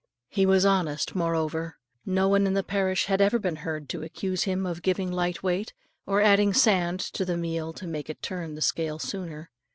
He was honest moreover. No one in the parish had ever been heard to accuse him of giving light weight, or adding sand to the meal to make it turn the scale sooner.